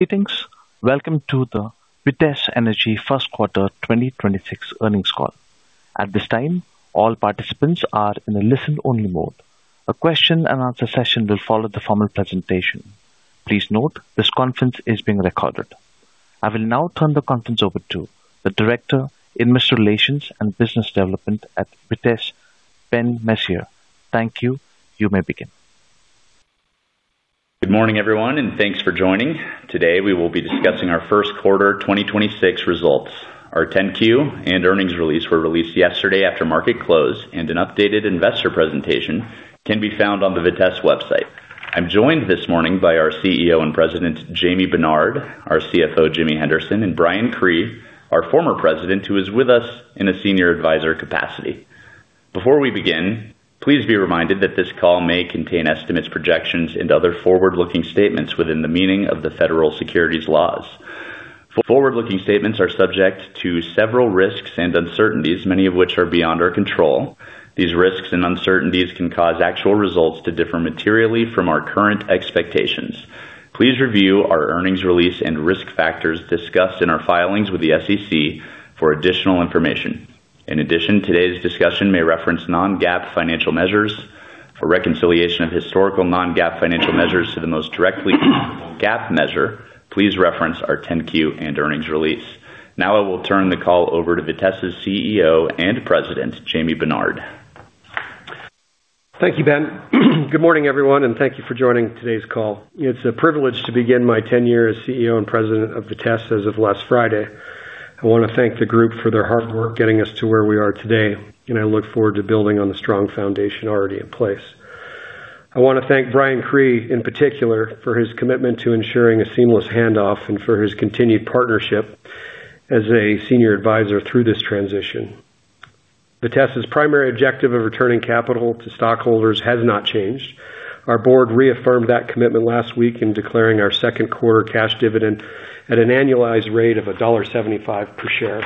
Greetings. Welcome to the Vitesse Energy first quarter 2026 earnings call. At this time, all participants are in a listen-only mode. A question and answer session will follow the formal presentation. Please note this conference is being recorded. I will now turn the conference over to the Director, Investor Relations and Business Development at Vitesse, Ben Messier. Thank you. You may begin. Good morning, everyone, and thanks for joining. Today, we will be discussing our 1st quarter 2026 results. Our 10-Q and earnings release were released yesterday after market close, and an updated investor presentation can be found on the Vitesse website. I'm joined this morning by our CEO and President, Jamie Benard, our CFO, James Henderson, and Brian Cree, our former President, who is with us in a Senior Advisor capacity. Before we begin, please be reminded that this call may contain estimates, projections and other forward-looking statements within the meaning of the federal securities laws. Forward-looking statements are subject to several risks and uncertainties, many of which are beyond our control. These risks and uncertainties can cause actual results to differ materially from our current expectations. Please review our earnings release and risk factors discussed in our filings with the SEC for additional information. In addition, today's discussion may reference non-GAAP financial measures. For reconciliation of historical non-GAAP financial measures to the most directly GAAP measure, please reference our 10-Q and earnings release. I will turn the call over to Vitesse's CEO and President, Jamie Benard. Thank you, Ben. Good morning, everyone, and thank you for joining today's call. It's a privilege to begin my tenure as CEO and President of Vitesse as of last Friday. I wanna thank the group for their hard work getting us to where we are today, and I look forward to building on the strong foundation already in place. I wanna thank Brian Cree in particular for his commitment to ensuring a seamless handoff and for his continued partnership as a senior advisor through this transition. Vitesse' primary objective of returning capital to stockholders has not changed. Our board reaffirmed that commitment last week in declaring our second quarter cash dividend at an annualized rate of $1.75 per share.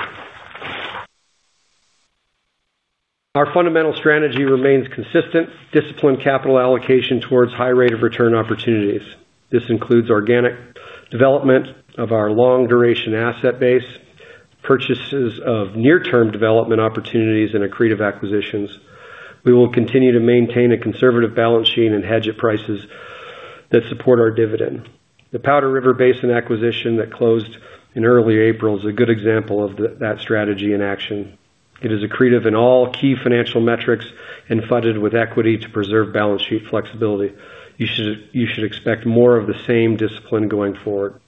Our fundamental strategy remains consistent, disciplined capital allocation towards high rate of return opportunities. This includes organic development of our long duration asset base, purchases of near-term development opportunities and accretive acquisitions. We will continue to maintain a conservative balance sheet and hedge at prices that support our dividend. The Powder River Basin acquisition that closed in early April is a good example of that strategy in action. It is accretive in all key financial metrics and funded with equity to preserve balance sheet flexibility. You should expect more of the same discipline going forward.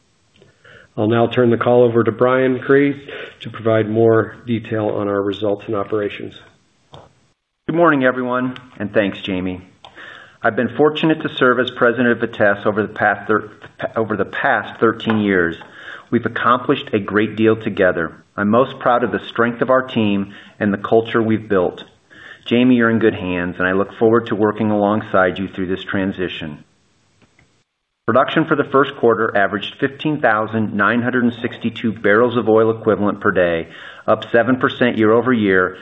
I'll now turn the call over to Brian Cree to provide more detail on our results and operations. Good morning, everyone, and thanks, Jamie. I've been fortunate to serve as president of Vitesse over the past 13 years. We've accomplished a great deal together. I'm most proud of the strength of our team and the culture we've built. Jamie, you're in good hands, and I look forward to working alongside you through this transition. Production for the first quarter averaged 15,962 bbl of oil equivalent per day, up 7% year-over-year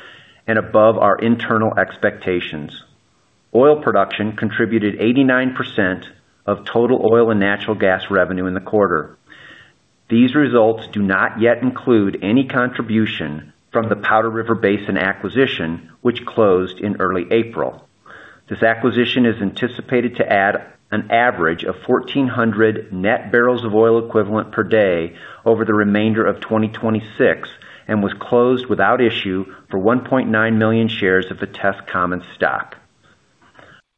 and above our internal expectations. Oil production contributed 89% of total oil and natural gas revenue in the quarter. These results do not yet include any contribution from the Powder River Basin acquisition, which closed in early April. This acquisition is anticipated to add an average of 1,400 net bbl of oil equivalent per day over the remainder of 2026 and was closed without issue for 1.9 million shares of Vitesse common stock.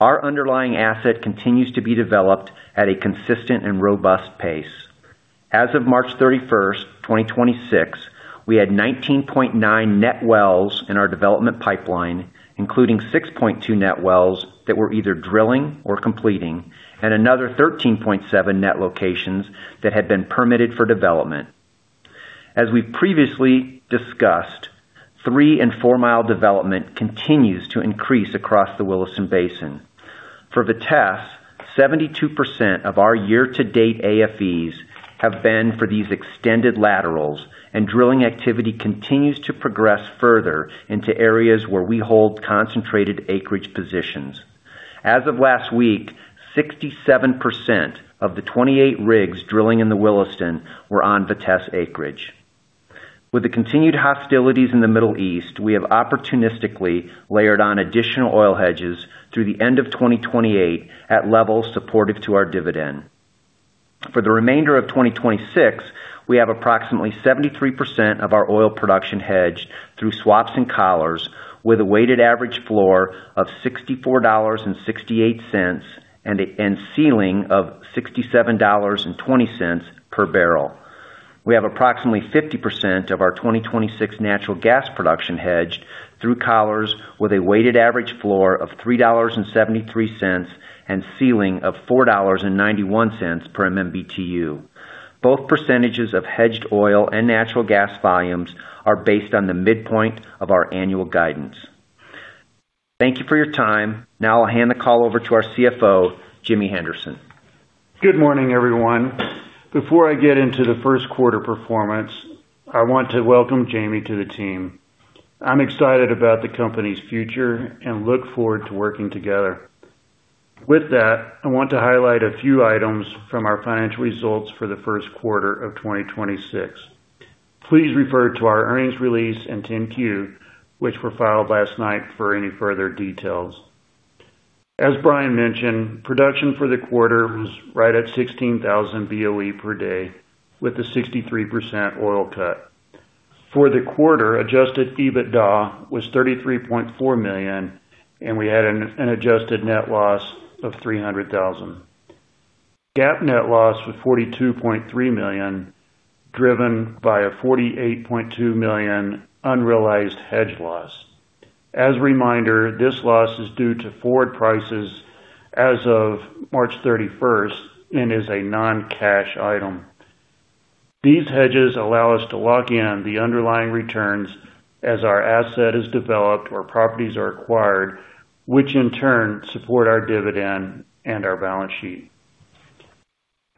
Our underlying asset continues to be developed at a consistent and robust pace. As of March 31st, 2026, we had 19.9 net wells in our development pipeline, including 6.2 net wells that were either drilling or completing and another 13.7 net locations that had been permitted for development. As we've previously discussed, 3 mi and 4 mi development continues to increase across the Williston Basin. For Vitesse, 72% of our year to date AFEs have been for these extended laterals, and drilling activity continues to progress further into areas where we hold concentrated acreage positions. As of last week, 67% of the 28 rigs drilling in the Williston were on Vitesse acreage. With the continued hostilities in the Middle East, we have opportunistically layered on additional oil hedges through the end of 2028 at levels supportive to our dividend. For the remainder of 2026, we have approximately 73% of our oil production hedged through swaps and collars with a weighted average floor of $64.68 and a ceiling of $67.20 per bbl. We have approximately 50% of our 2026 natural gas production hedged through collars with a weighted average floor of $3.73 and ceiling of $4.91 per MMBTu. Both percentages of hedged oil and natural gas volumes are based on the midpoint of our annual guidance. Thank you for your time. Now I'll hand the call over to our CFO, James Henderson. Good morning, everyone. Before I get into the first quarter performance, I want to welcome Jamie to the team. I'm excited about the company's future and look forward to working together. I want to highlight a few items from our financial results for the first quarter of 2026. Please refer to our earnings release and 10-Q, which were filed last night for any further details. As Brian mentioned, production for the quarter was right at 16,000 BOE per day with a 63% oil cut. For the quarter, adjusted EBITDA was $33.4 million, and we had an adjusted net loss of $300,000. GAAP net loss was $42.3 million, driven by a $48.2 million unrealized hedge loss. As a reminder, this loss is due to forward prices as of March 31st and is a non-cash item. These hedges allow us to lock in the underlying returns as our asset is developed or properties are acquired, which in turn support our dividend and our balance sheet.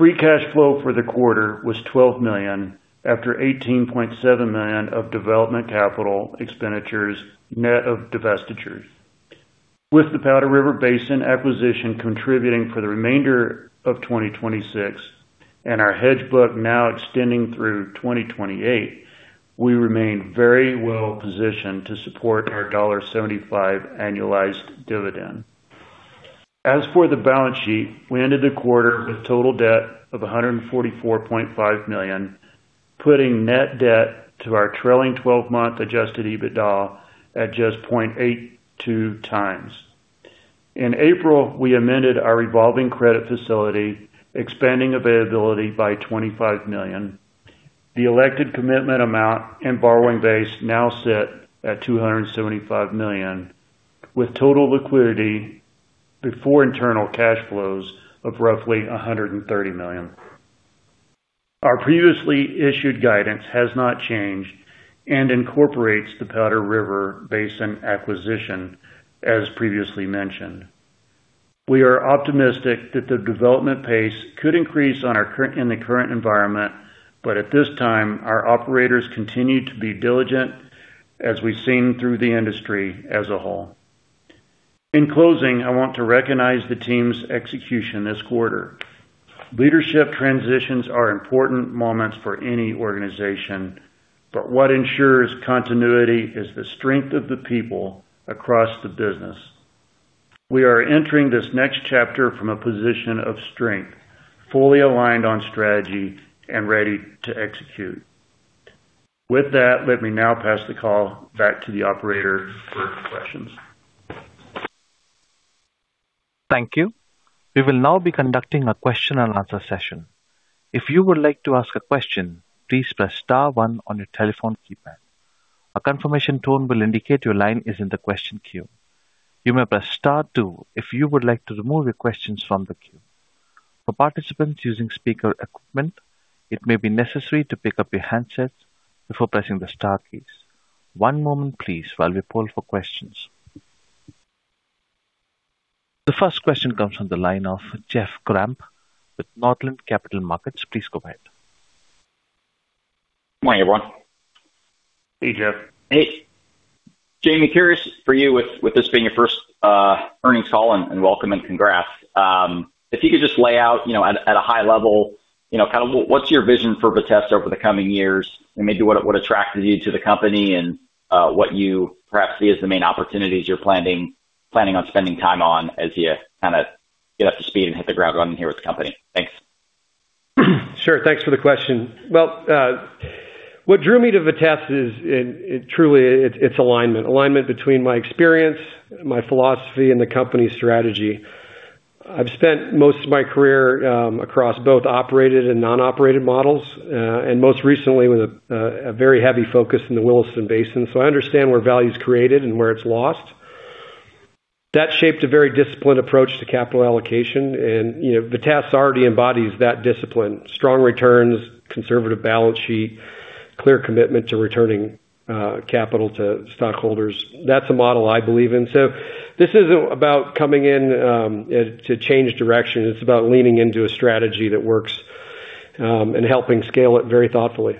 Free cash flow for the quarter was $12 million after $18.7 million of development capital expenditures net of divestitures. With the Powder River Basin acquisition contributing for the remainder of 2026 and our hedge book now extending through 2028, we remain very well positioned to support our $1.75 annualized dividend. As for the balance sheet, we ended the quarter with total debt of $144.5 million, putting net debt to our trailing 12-month adjusted EBITDA at just 0.82x. In April, we amended our revolving credit facility, expanding availability by $25 million. The elected commitment amount and borrowing base now sit at $275 million, with total liquidity before internal cash flows of roughly $130 million. Our previously issued guidance has not changed and incorporates the Powder River Basin acquisition, as previously mentioned. We are optimistic that the development pace could increase in the current environment, but at this time, our operators continue to be diligent as we've seen through the industry as a whole. In closing, I want to recognize the team's execution this quarter. Leadership transitions are important moments for any organization, but what ensures continuity is the strength of the people across the business. We are entering this next chapter from a position of strength, fully aligned on strategy and ready to execute. With that, let me now pass the call back to the operator for questions. Thank you. We will now be conducting a question and answer session. If you would like to ask a question, please press star one on your telephone keypad. A confirmation tone will indicate your line is in the question queue. You may press star two if you would like to remove your questions from the queue. For participants using speaker equipment, it may be necessary to pick up your handset before pressing the star keys. One moment please while we poll for questions. The first question comes from the line of Jeff Grampp with Northland Capital Markets. Please go ahead. Morning, everyone. Hey, Jeff. Hey. Jamie, curious for you with this being your first earnings call, and welcome and congrats. If you could just lay out, you know, at a high level, you know, what's your vision for Vitesse over the coming years, and maybe what attracted you to the company and what you perhaps see as the main opportunities you're planning on spending time on as you kind of get up to speed and hit the ground running here with the company? Thanks. Sure. Thanks for the question. What drew me to Vitesse is it truly its alignment. Alignment between my experience, my philosophy, and the company's strategy. I've spent most of my career across both operated and non-operated models and most recently with a very heavy focus in the Williston Basin. I understand where value is created and where it's lost. That shaped a very disciplined approach to capital allocation. You know, Vitesse already embodies that discipline. Strong returns, conservative balance sheet, clear commitment to returning capital to stockholders. That's a model I believe in. This isn't about coming in to change direction. It's about leaning into a strategy that works and helping scale it very thoughtfully.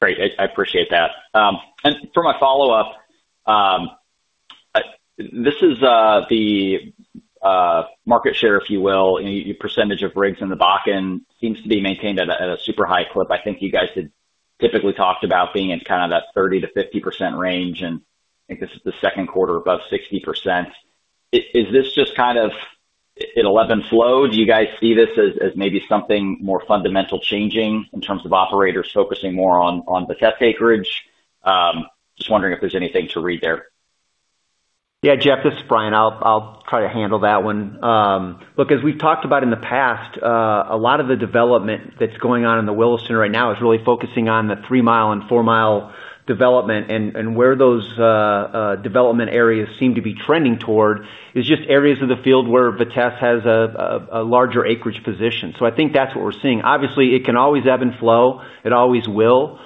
Great. I appreciate that. For my follow-up, this is the market share, if you will. Your percentage of rigs in the Bakken seems to be maintained at a super high clip. I think you guys had typically talked about being in kind of that 30%-50% range, and I think this is the second quarter above 60%. Is this just kind of ebb and flow? Do you guys see this as maybe something more fundamental changing in terms of operators focusing more on Vitesse acreage? Just wondering if there's anything to read there. Yeah. Jeff, this is Brian. I'll try to handle that one. Look, as we've talked about in the past, a lot of the development that's going on in the Williston right now is really focusing on the 3 mi and 4 mi development. Where those development areas seem to be trending toward is just areas of the field where Vitesse has a larger acreage position. I think that's what we're seeing. Obviously, it can always ebb and flow. It always will.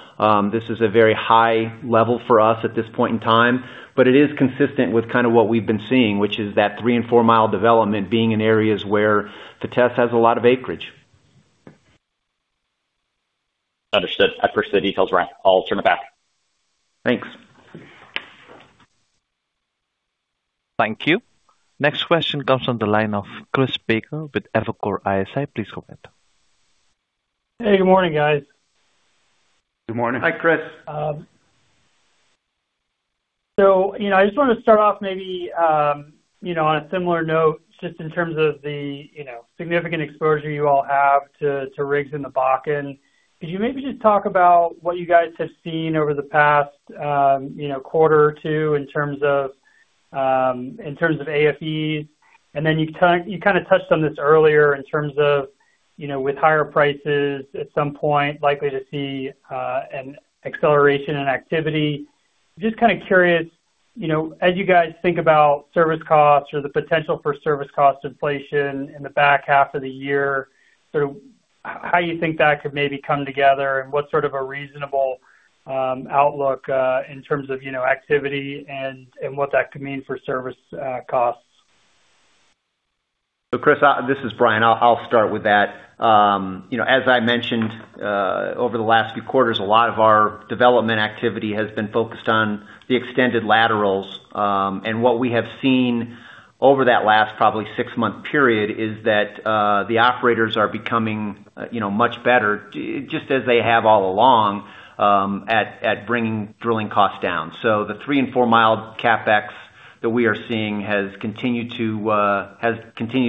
This is a very high level for us at this point in time, but it is consistent with kind of what we've been seeing, which is that 3 mi and 4 mi development being in areas where Vitesse has a lot of acreage. Understood. I appreciate the details, Brian Cree. I'll turn it back. Thanks. Thank you. Next question comes from the line of Chris Baker with Evercore ISI. Please go ahead. Hey, good morning, guys. Good morning. Hi, Chris. You know, I just wanted to start off maybe, you know, on a similar note, just in terms of the, you know, significant exposure you all have to rigs in the Bakken. Could you maybe just talk about what you guys have seen over the past, you know, quarter or two in terms of, in terms of AFEs? You kinda touched on this earlier in terms of, you know, with higher prices at some point likely to see an acceleration in activity? Just kinda curious, you know, as you guys think about service costs or the potential for service cost inflation in the back half of the year, sort of how you think that could maybe come together and what sort of a reasonable outlook in terms of, you know, activity and what that could mean for service costs. Chris, this is Brian. I'll start with that. You know, as I mentioned, over the last few quarters, a lot of our development activity has been focused on the extended laterals. What we have seen over that last probably six-month period is that the operators are becoming, you know, much better just as they have all along, at bringing drilling costs down. The 3 mi and 4 mi CapEx that we are seeing has continued to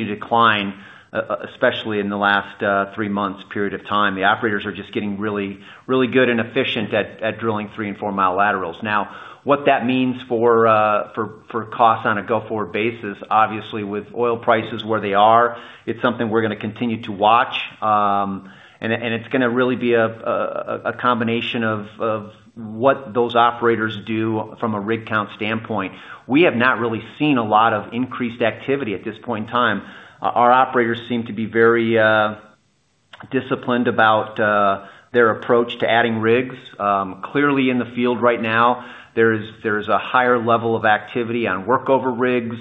decline, especially in the last three months period of time. The operators are just getting really, really good and efficient at drilling 3 mi and 4 mi laterals. What that means for costs on a go-forward basis, obviously with oil prices where they are, it's something we're gonna continue to watch. It's gonna really be a combination of what those operators do from a rig count standpoint. We have not really seen a lot of increased activity at this point in time. Our operators seem to be very disciplined about their approach to adding rigs. Clearly in the field right now, there is a higher level of activity on workover rigs,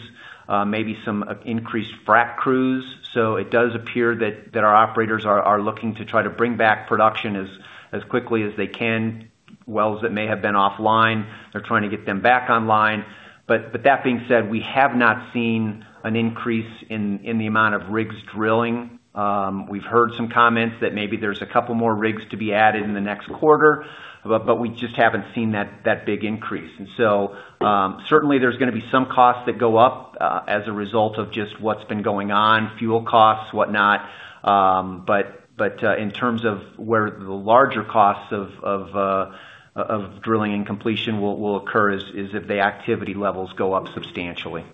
maybe some increased frack crews. It does appear that our operators are looking to try to bring back production as quickly as they can. Wells that may have been offline, they're trying to get them back online. That being said, we have not seen an increase in the amount of rigs drilling. We've heard some comments that maybe there's a couple more rigs to be added in the next quarter, but we just haven't seen that big increase. Certainly there's gonna be some costs that go up as a result of just what's been going on, fuel costs, whatnot. In terms of where the larger costs of drilling and completion will occur if the activity levels go up substantially.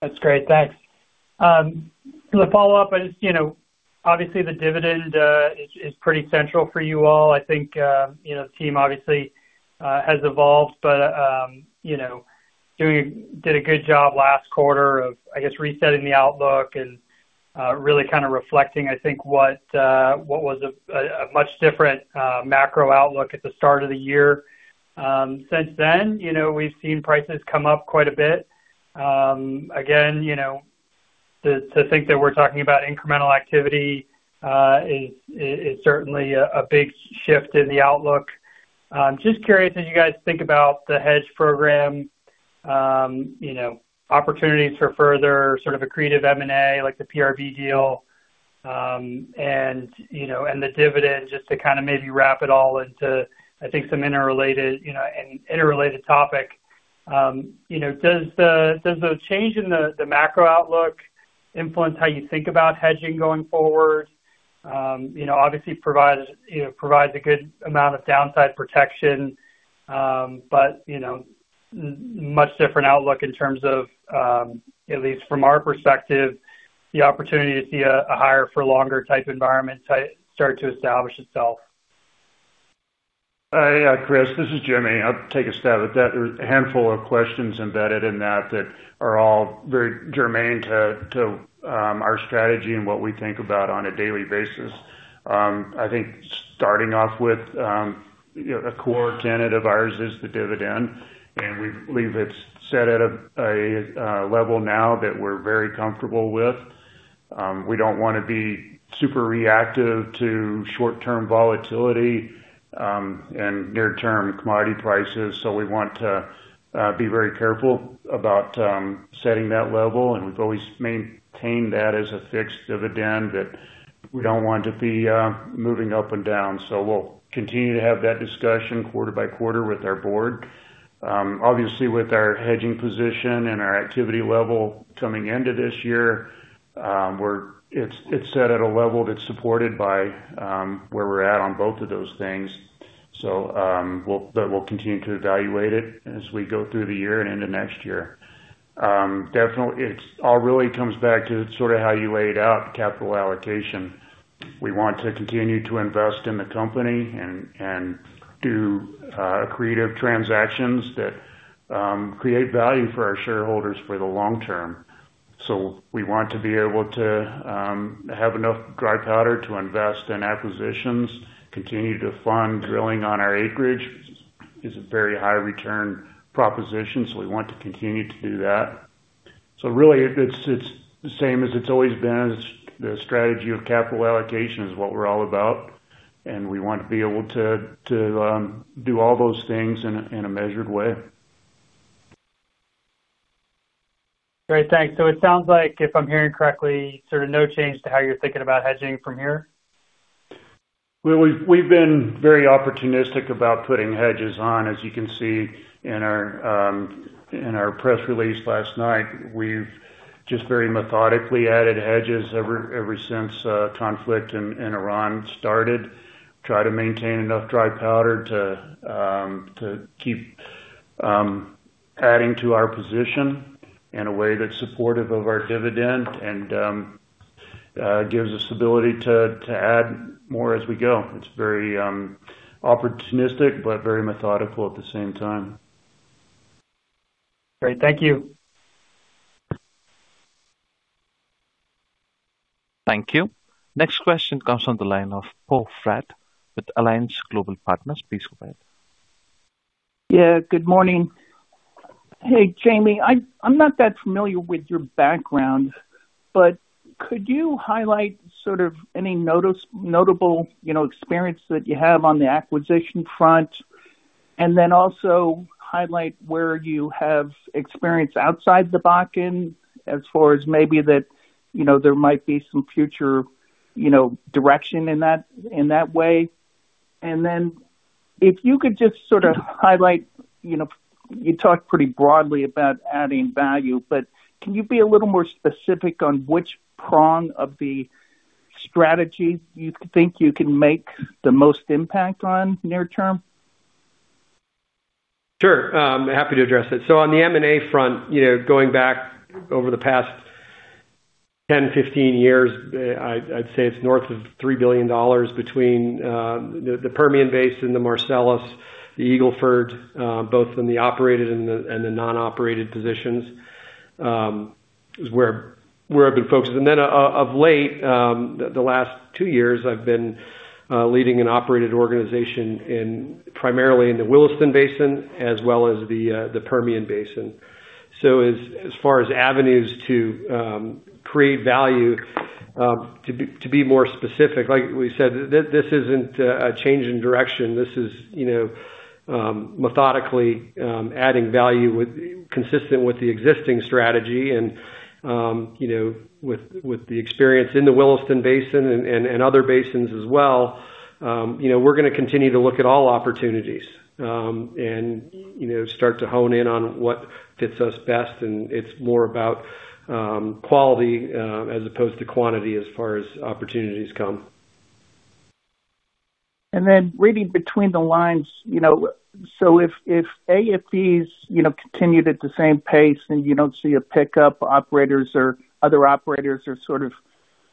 That's great. Thanks. For the follow-up, I just, you know, obviously the dividend is pretty central for you all. I think, you know, the team obviously has evolved, but, you know, did a good job last quarter of, I guess, resetting the outlook and really kind of reflecting, I think, what was a much different macro outlook at the start of the year. Since then, you know, we've seen prices come up quite a bit. Again, you know, to think that we're talking about incremental activity is certainly a big shift in the outlook. Just curious, as you guys think about the hedge program, opportunities for further sort of accretive M&A, like the PRB deal, and the dividend, just to kinda maybe wrap it all into, I think, some interrelated, an interrelated topic. Does the change in the macro outlook influence how you think about hedging going forward? Obviously provides a good amount of downside protection, but much different outlook in terms of, at least from our perspective, the opportunity to see a higher for longer type environment start to establish itself. Yeah, Chris, this is James. I'll take a stab at that. There's a handful of questions embedded in that that are all very germane to our strategy and what we think about on a daily basis. I think starting off with, you know, a core tenet of ours is the dividend, and we believe it's set at a level now that we're very comfortable with. We don't wanna be super reactive to short-term volatility and near-term commodity prices. We want to be very careful about setting that level, and we've always maintained that as a fixed dividend that we don't want to be moving up and down. We'll continue to have that discussion quarter-by-quarter with our board. Obviously, with our hedging position and our activity level coming into this year, it's set at a level that's supported by where we're at on both of those things. We'll continue to evaluate it as we go through the year and into next year. Definitely, it all really comes back to sort of how you laid out capital allocation. We want to continue to invest in the company and do creative transactions that create value for our shareholders for the long term. We want to be able to have enough dry powder to invest in acquisitions, continue to fund drilling on our acreage is a very high return proposition, so we want to continue to do that. Really it's the same as it's always been. It's the strategy of capital allocation is what we're all about, and we want to be able to do all those things in a measured way. Great. Thanks. It sounds like if I'm hearing correctly, sort of no change to how you're thinking about hedging from here? Well, we've been very opportunistic about putting hedges on. As you can see in our in our press release last night, we've just very methodically added hedges ever since conflict in in Iran started. Try to maintain enough dry powder to keep adding to our position in a way that's supportive of our dividend and gives us ability to add more as we go. It's very opportunistic, but very methodical at the same time. Great. Thank you. Thank you. Next question comes on the line of Poe Fratt with Alliance Global Partners. Please go ahead. Yeah, good morning. Hey, Jamie Benard. I'm not that familiar with your background, but could you highlight sort of any notable, you know, experience that you have on the acquisition front? Also highlight where you have experience outside the Bakken as far as maybe that, you know, there might be some future, you know, direction in that way. If you could just sort of highlight, you know, you talked pretty broadly about adding value, but can you be a little more specific on which prong of the strategy you think you can make the most impact on near term? Sure. Happy to address it. On the M&A front, you know, going back over the past 10, 15 years, I'd say it's north of $3 billion between the Permian Basin, the Marcellus, the Eagle Ford, both in the operated and the non-operated positions, is where I've been focused. Of late, the last two years I've been leading an operated organization in primarily in the Williston Basin as well as the Permian Basin. As far as avenues to create value, to be more specific, like we said, this isn't a change in direction. This is, you know, methodically, adding value consistent with the existing strategy and, you know, with the experience in the Williston Basin and other basins as well. You know, we're gonna continue to look at all opportunities, and, you know, start to hone in on what fits us best. It's more about quality as opposed to quantity as far as opportunities come. Reading between the lines, you know, if AFEs, you know, continued at the same pace and you don't see a pickup, operators or other operators are sort of,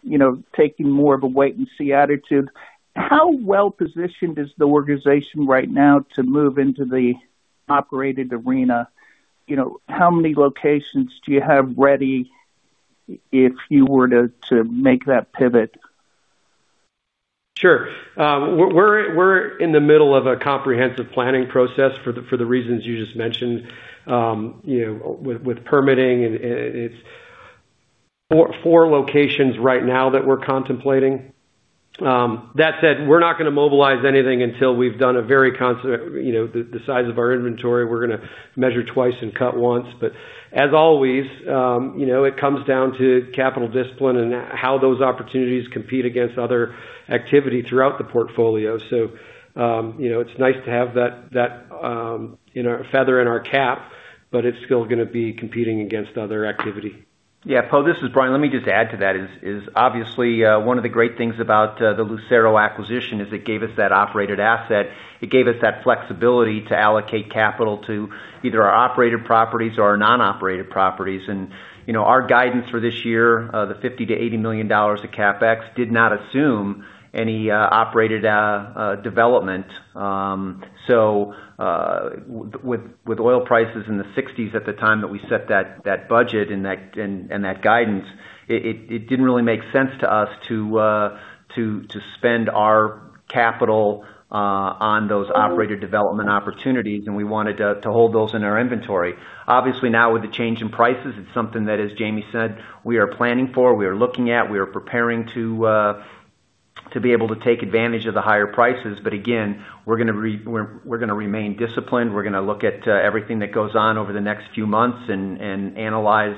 you know, taking more of a wait and see attitude, how well-positioned is the organization right now to move into the operated arena? You know, how many locations do you have ready if you were to make that pivot? Sure. We're in the middle of a comprehensive planning process for the reasons you just mentioned. You know, with permitting and it's four locations right now that we're contemplating. That said, we're not gonna mobilize anything until we've done a very, you know, the size of our inventory. We're gonna measure twice and cut once. As always, you know, it comes down to capital discipline and how those opportunities compete against other activity throughout the portfolio. You know, it's nice to have that in our feather in our cap, but it's still gonna be competing against other activity. Yeah. Poe, this is Brian, let me just add to that is obviously one of the great things about the Lucero acquisition is it gave us that operated asset. It gave us that flexibility to allocate capital to either our operated properties or our non-operated properties. You know, our guidance for this year, the $50 million-$80 million of CapEx did not assume any operated development. With oil prices in the 60s at the time that we set that budget and that guidance, it didn't really make sense to us to spend our capital on those operator development opportunities, and we wanted to hold those in our inventory. Obviously, now with the change in prices, it's something that, as Jamie said, we are planning for, we are looking at, we are preparing to be able to take advantage of the higher prices. Again, we're gonna remain disciplined. We're gonna look at everything that goes on over the next few months and analyze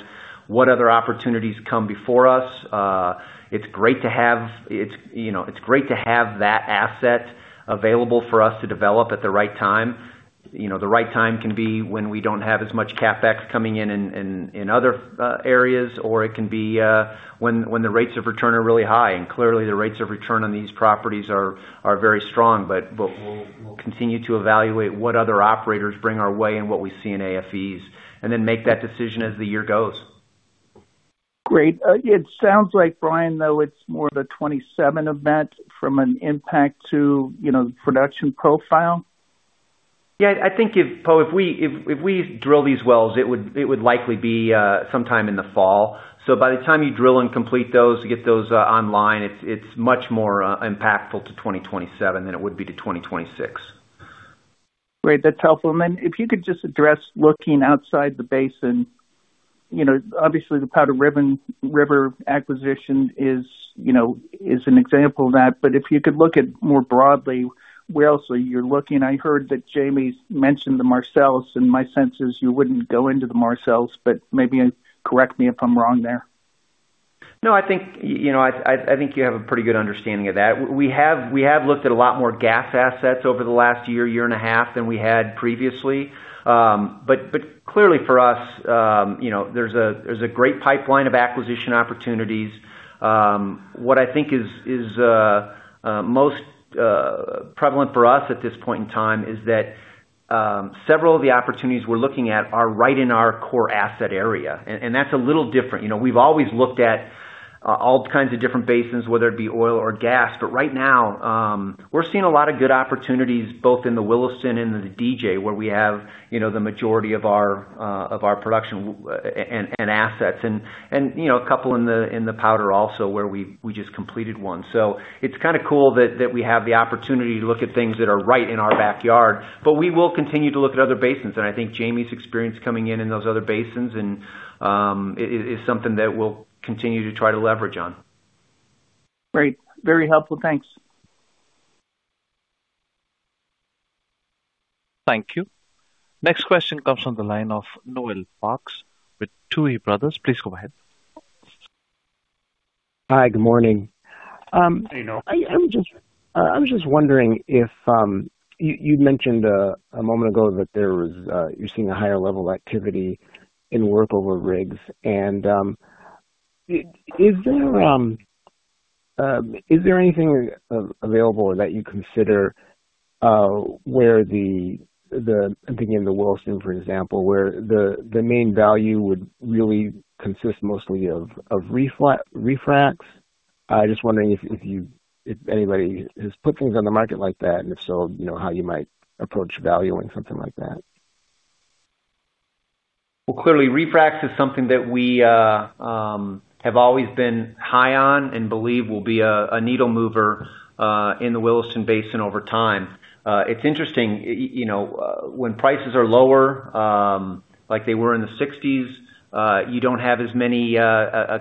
what other opportunities come before us. It's great to have, you know, that asset available for us to develop at the right time. You know, the right time can be when we don't have as much CapEx coming in other areas, or it can be when the rates of return are really high. Clearly, the rates of return on these properties are very strong. We'll continue to evaluate what other operators bring our way and what we see in AFEs, and then make that decision as the year goes. Great. It sounds like, Brian, though, it's more the 27 event from an impact to, you know, production profile. Yeah. I think if, Poe Fratt, if we drill these wells, it would likely be sometime in the fall. By the time you drill and complete those to get those online, it's much more impactful to 2027 than it would be to 2026. Great. That's helpful. If you could just address looking outside the basin, you know, obviously the Powder River acquisition is, you know, is an example of that. If you could look at more broadly, where else are you looking? I heard that Jamie mentioned the Marcellus, and my sense is you wouldn't go into the Marcellus, but maybe correct me if I'm wrong there. No, I think, you know, I think you have a pretty good understanding of that. We have looked at a lot more gas assets over the last year and a half than we had previously. Clearly for us, you know, there's a great pipeline of acquisition opportunities. What I think is most prevalent for us at this point in time is that several of the opportunities we're looking at are right in our core asset area. That's a little different. You know, we've always looked at all kinds of different basins, whether it be oil or gas. Right now, we're seeing a lot of good opportunities both in the Williston and in the DJ, where we have, you know, the majority of our production and assets and, you know, a couple in the Powder also where we just completed one. It's kind of cool that we have the opportunity to look at things that are right in our backyard, but we will continue to look at other basins. I think Jamie's experience coming in in those other basins is something that we'll continue to try to leverage on. Great. Very helpful. Thanks. Thank you. Next question comes from the line of Noel Parks with Tuohy Brothers. Please go ahead. Hi. Good morning. Hey, Noel. I was just wondering if you mentioned a moment ago that there was you're seeing a higher level of activity in work over rigs. Is there anything available that you consider where the I'm thinking of the Williston, for example, where the main value would really consist mostly of refracs. I was just wondering if anybody has put things on the market like that, if so, you know, how you might approach valuing something like that. Well, clearly, refracs is something that we have always been high on and believe will be a needle mover in the Williston Basin over time. It's interesting, you know, when prices are lower, like they were in the sixties, you don't have as many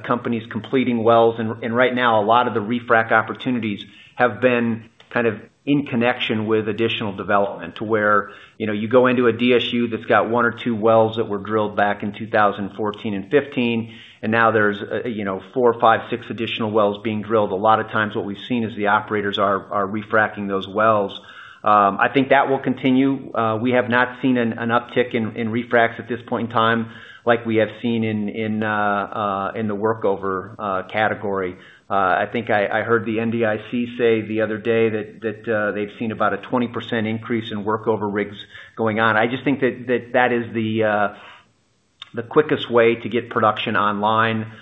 companies completing wells. Right now, a lot of the refrac opportunities have been kind of in connection with additional development to where, you know, you go into a DSU that's got one or two wells that were drilled back in 2014 and 2015, and now there's, you know, four, five, six additional wells being drilled. A lot of times what we've seen is the operators are refracing those wells. I think that will continue. We have not seen an uptick in refracs at this point in time like we have seen in the workover category. I think I heard the NDIC say the other day that they've seen about a 20% increase in workover rigs going on. I just think that that is the quickest way to get production online,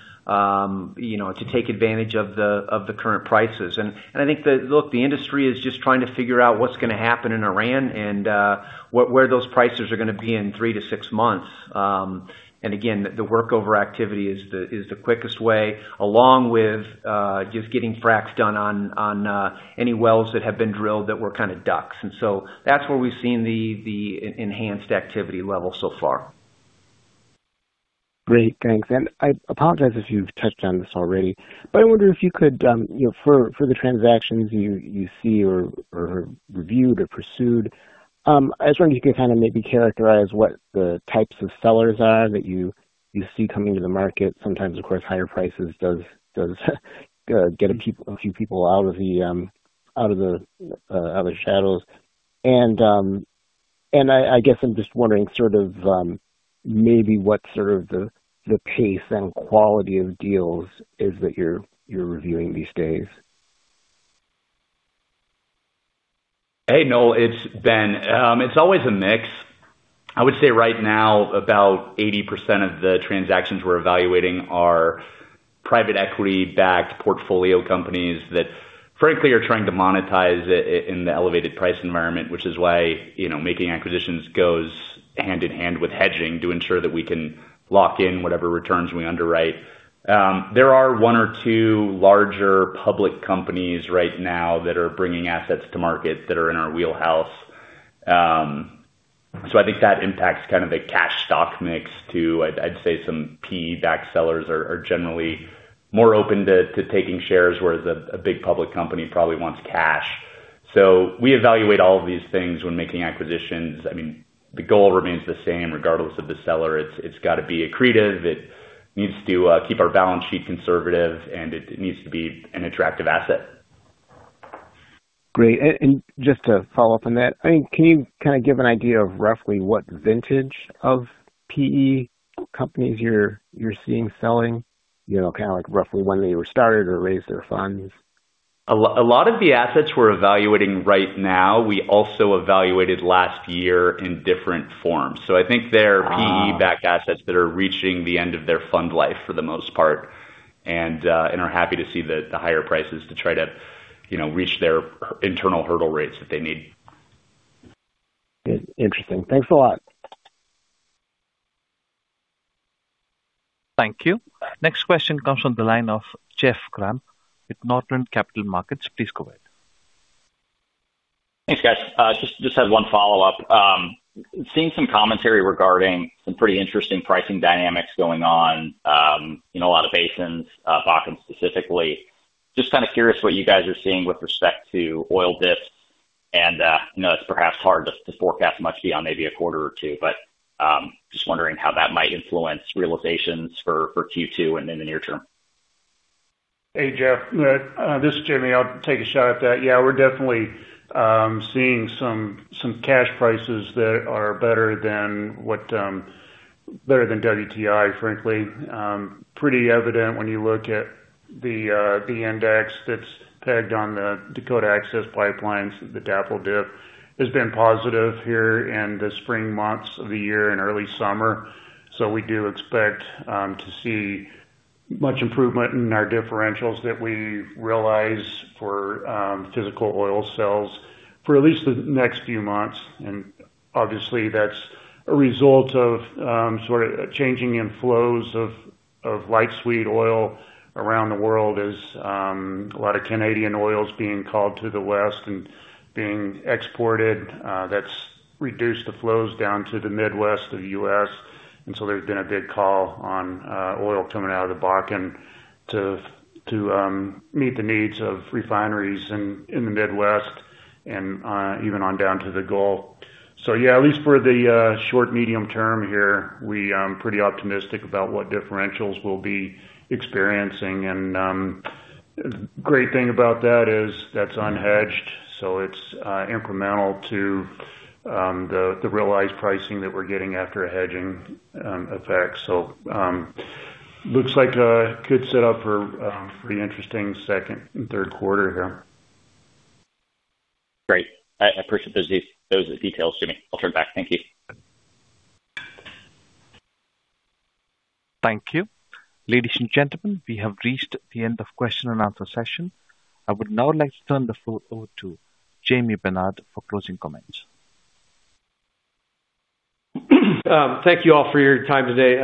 you know, to take advantage of the current prices. I think the Look, the industry is just trying to figure out what's gonna happen in Iran and where those prices are gonna be in three to six months. Again, the workover activity is the quickest way along with just getting fracs done on any wells that have been drilled that were kinda ducks. That's where we've seen the enhanced activity level so far. Great. Thanks. I apologize if you've touched on this already. I wonder if you could, you know, for the transactions you see or reviewed or pursued, I was wondering if you could kind of maybe characterize what the types of sellers are that you see coming to the market. Sometimes, of course, higher prices does get a few people out of the shadows. I guess I'm just wondering sort of maybe what sort of the pace and quality of deals is that you're reviewing these days. Hey, Noel, it's Ben. It's always a mix. I would say right now about 80% of the transactions we're evaluating are private equity-backed portfolio companies that frankly are trying to monetize in the elevated price environment, which is why, you know, making acquisitions goes hand-in-hand with hedging to ensure that we can lock in whatever returns we underwrite. There are one or two larger public companies right now that are bringing assets to market that are in our wheelhouse. I think that impacts kind of the cash stock mix too. I'd say some PE-backed sellers are generally more open to taking shares, whereas a big public company probably wants cash. We evaluate all of these things when making acquisitions. I mean, the goal remains the same regardless of the seller. It's gotta be accretive, it needs to keep our balance sheet conservative, and it needs to be an attractive asset. Great. Just to follow up on that, I mean, can you kinda give an idea of roughly what vintage of PE companies you're seeing selling? You know, kinda like roughly when they were started or raised their funds. A lot of the assets we're evaluating right now, we also evaluated last year in different forms. I think they're PE-backed assets that are reaching the end of their fund life for the most part, and are happy to see the higher prices to try to reach their internal hurdle rates that they need. Interesting. Thanks a lot. Thank you. Next question comes from the line of Jeff Grampp with Northland Capital Markets. Please go ahead. Thanks, guys. Just had one follow-up. Seeing some commentary regarding some pretty interesting pricing dynamics going on in a lot of basins, Bakken specifically. Just kind of curious what you guys are seeing with respect to oil diffs and I know it's perhaps hard to forecast much beyond maybe a quarter or two, but just wondering how that might influence realizations for Q2 and in the near term. Hey, Jeff. This is James. I'll take a shot at that. We're definitely seeing some cash prices that are better than what, better than WTI, frankly. Pretty evident when you look at the index that's tagged on the Dakota Access Pipelines. The DAPL diff has been positive here in the spring months of the year and early summer. We do expect to see much improvement in our differentials that we realize for physical oil sales for at least the next few months. Obviously that's a result of sort of changing in flows of light sweet oil around the world as a lot of Canadian oil is being called to the West and being exported. That's reduced the flows down to the Midwest of the U.S., there's been a big call on oil coming out of the Bakken to meet the needs of refineries in the Midwest and even on down to the Gulf. Yeah, at least for the short medium term here, we pretty optimistic about what differentials we'll be experiencing. Great thing about that is that's unhedged, it's incremental to the realized pricing that we're getting after a hedging effect. Looks like a good set up for a pretty interesting second and third quarter here. Great. I appreciate those details, James. I'll turn it back. Thank you. Thank you. Ladies and gentlemen, we have reached the end of question and answer session. I would now like to turn the floor over to Jamie Benard for closing comments. Thank you all for your time today.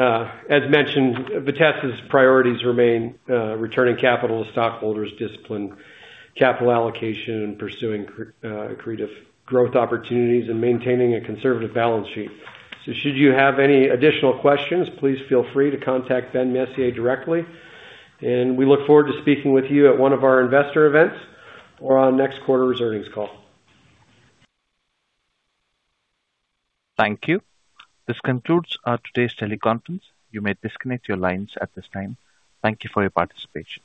As mentioned, Vitesse's priorities remain returning capital to stockholders, disciplined capital allocation, and pursuing accretive growth opportunities, and maintaining a conservative balance sheet. Should you have any additional questions, please feel free to contact Ben Messier directly. We look forward to speaking with you at one of our investor events or on next quarter's earnings call. Thank you. This concludes, today's teleconference. You may disconnect your lines at this time. Thank you for your participation.